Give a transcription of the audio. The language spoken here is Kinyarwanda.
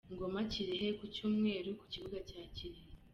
Ngoma-Kirehe : Ku cyumweru ku kibuga cya Kirehe.